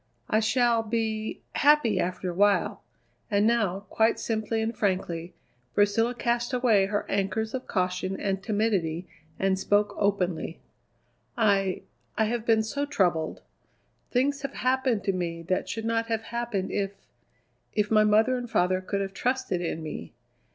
"I shall be happy after a while." And now, quite simply and frankly, Priscilla cast away her anchors of caution and timidity and spoke openly: "I I have been so troubled. Things have happened to me that should not have happened if if my mother and father could have trusted in me.